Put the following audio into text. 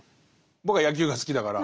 僕は野球が好きだから。